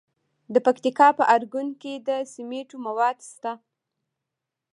د پکتیکا په ارګون کې د سمنټو مواد شته.